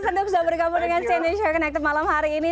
senang sudah berkabung dengan sini show connected malam hari ini